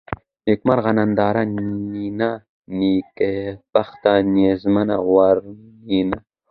نېکمرغه ، ننداره ، نينه ، نېکبخته ، نيازمنه ، واورېنه